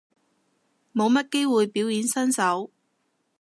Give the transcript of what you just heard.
冇乜機會表演身手